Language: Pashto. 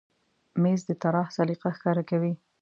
مېز د طراح سلیقه ښکاره کوي.